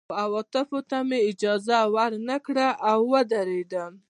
خو عواطفو ته مې اجازه ور نه کړه او ودېردم